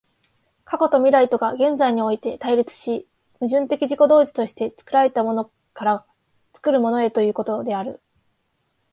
過去と未来とが現在において対立し、矛盾的自己同一として作られたものから作るものへということである。